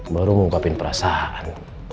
baru mengungkapin perasaan